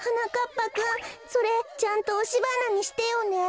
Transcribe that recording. ぱくんそれちゃんとおしばなにしてよね。